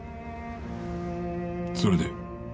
それで？